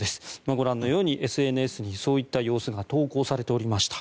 ご覧のようにＳＮＳにそういった様子が投稿されておりました。